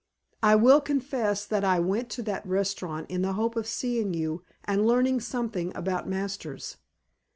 I will confess that I went to that restaurant in the hope of seeing you and learning something about Masters.